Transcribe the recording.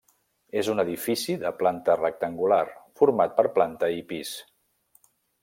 És un edifici de planta rectangular, format per planta i pis.